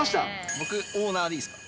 僕、オーナーでいいですか。